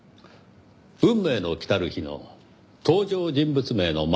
『運命の来たる日』の登場人物名のマイルール。